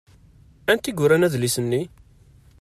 Anta i yuran adlis-nni?